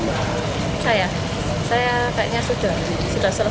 saya saya kayaknya sudah